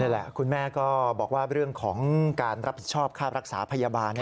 แหละคุณแม่ก็บอกว่าเรื่องของการรับผิดชอบค่ารักษาพยาบาล